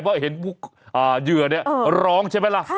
เพราะเห็นผู้เหยื่อนี้ร้องใช่มั้ยละ